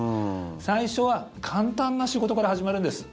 最初は簡単な仕事から始めるんです。